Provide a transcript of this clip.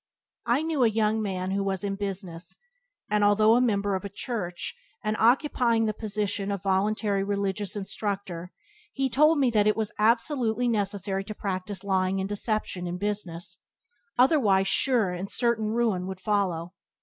I knew a young man who was in business, and although a member of a church, and occupying the position of voluntary religious instructor, he told me that it was absolutely necessary to practice lying and deception in business, otherwise sure and certain ruin would follow.